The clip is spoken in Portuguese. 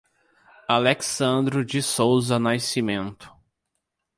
Alecsandro de Sousa Nascimento